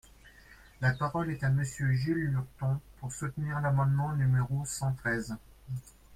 La parole est à Monsieur Gilles Lurton, pour soutenir l’amendement numéro cent treize.